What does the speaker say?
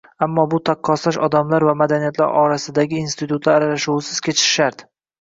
Ammo bu taqqoslash odamlar va madaniyatlar orasida institutlar aralashuvisiz kechishi shart